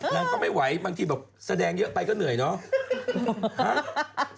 นางก็ไม่ไหวบางทีแบบแสดงเยอะไปก็เหนื่อยเนาะ